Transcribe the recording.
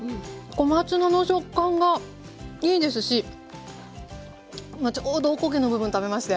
小松菜の食感がいいですし今ちょうどおこげの部分食べまして。